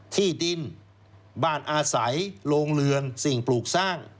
ที่ดินบ้านอาศัยโรงเรือนสิ่งปลูกสร้าง